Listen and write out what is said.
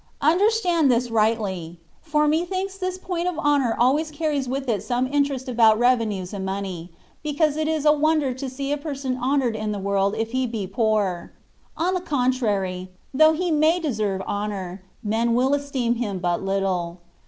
Understand this rightly; for methinks this point of honour always carries with it some interest about revenues and money, because it is a wonder to see a person honoured in the world if he be poor : on the contrary, though he may deserve honour, men will esteem him but little.